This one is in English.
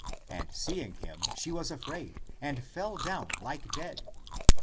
And see ing him, she was afraid, and fell down like dead.